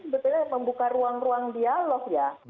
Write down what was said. sebetulnya membuka ruang ruang dialog ya